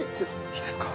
いいですか？